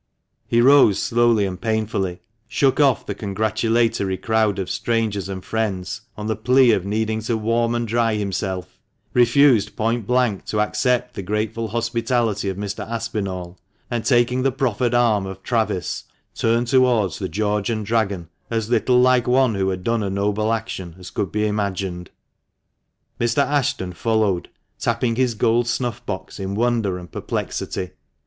He rose slowly and painfully, shook off the congratulatory crowd of strangers and friends on the plea of needing to "warm and dry himself," refused point blank to accept the grateful hospitality of Mr. Aspinall, and, taking the proffered arm of Travis, turned towards the " George and Dragon," as little like one who had done a noble action as could be imagined. Mr. Ashton followed, tapping his gold snuff box in wonder and perplexity.